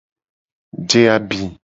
Je abi.